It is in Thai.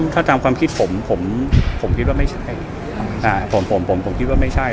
ถ้าทำความคิดผมผมคิดว่าไม่ใช่